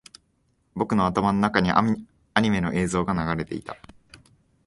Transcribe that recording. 僕の頭の中にアニメの映像が流れていた